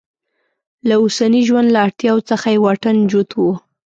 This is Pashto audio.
له اوسني ژوند له اړتیاوو څخه یې واټن جوت و.